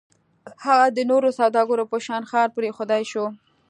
هغه د نورو سوداګرو په شان ښار پرېښودای شو.